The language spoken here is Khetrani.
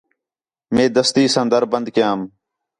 مئے دستی ساں در بند کیام